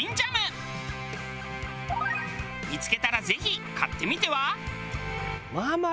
見付けたらぜひ買ってみては？